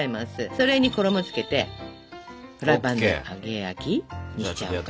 それに衣つけてフライパンで揚げ焼きにしちゃおうかな。